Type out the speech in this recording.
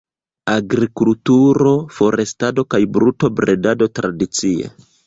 Agrikulturo, forstado kaj brutobredado tradicie.